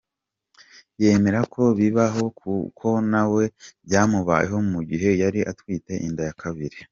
Yemera ko bibaho kuko na we byamubayeho mu gihe yari atwite inda ya kabiri.